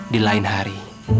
di lain hari